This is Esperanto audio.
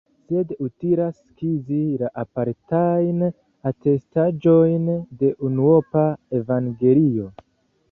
Sed utilas skizi la apartajn atestaĵojn de unuopa evangelio.